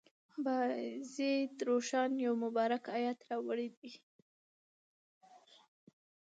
بایزید روښان یو مبارک آیت راوړی دی.